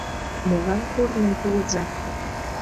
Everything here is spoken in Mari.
— Молан корным пуыза?..